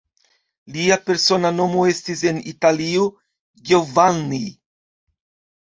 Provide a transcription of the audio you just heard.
Lia persona nomo estis en Italio Giovanni.